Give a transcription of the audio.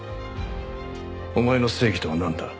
お前の正義とはなんだ？